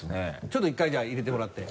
ちょっと１回入れてもらって。